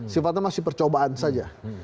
sifatnya masih percobaan saja